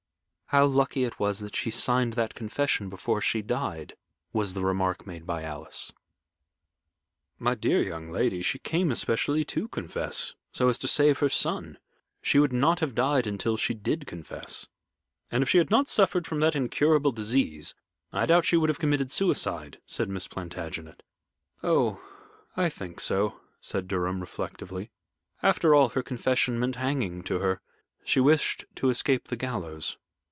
"How lucky it was that she signed that confession before she died," was the remark made by Alice. "My dear young lady, she came especially to confess, so as to save her son. She would not have died until she did confess." "And if she had not suffered from that incurable disease, I doubt if she would have committed suicide," said Miss Plantagenet. "Oh, I think so," said Durham, reflectively. "After all, her confession meant hanging to her. She wished to escape the gallows."